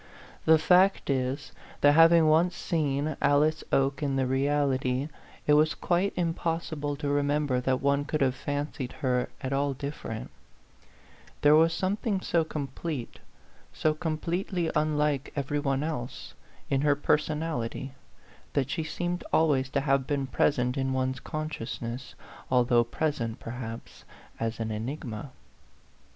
The fact is, that having once seen Alice Oke in the reality, it was quite impossible to remember that one could have fancied her at all different : there was some thing so complete, so completely unlike every one else, in her personality, that she seemed always to have been present in one's con sciousness, although present, perhaps, as an enigma.